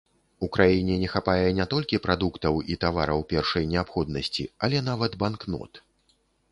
У краіне не хапае не толькі прадуктаў і тавараў першай неабходнасці, але нават банкнот.